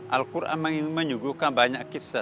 al quran menyuguhkan banyak kisah